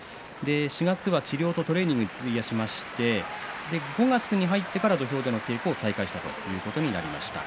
４月は治療とトレーニングに費やしまして５月に入ってから土俵での稽古を再開しました。